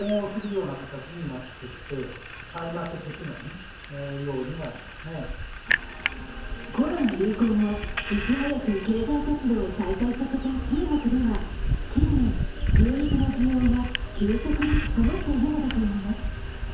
食糧問題に詳しい専門家はコロナ流行後、いち早く経済活動を再開させた中国では近年、牛肉の需要が急速に高まっているのだといいます。